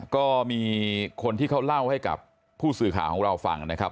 ก็มีคนที่เขาเล่าให้กับผู้สื่อข่าวของเราฟังนะครับ